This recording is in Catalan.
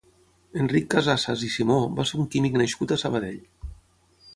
Enric Casassas i Simó va ser un químic nascut a Sabadell.